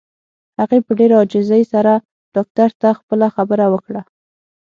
هغې په ډېره عاجزۍ سره ډاکټر ته خپله خبره وکړه.